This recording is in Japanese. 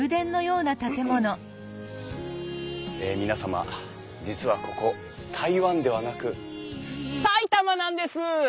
え皆様実はここ台湾ではなく埼玉なんです！